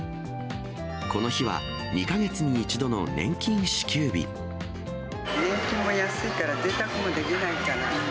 この日は、年金も安いからぜいたくもできないから。